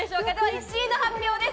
１位の発表です。